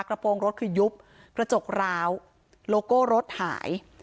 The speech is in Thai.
โปรงรถคือยุบกระจกร้าวโลโก้รถหาย